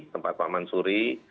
tempat pak mansuri